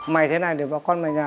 mày thế này để vợ con ở nhà